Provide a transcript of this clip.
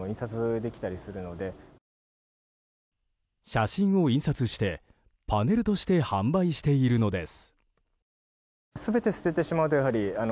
写真を印刷して、パネルとして販売しているのです。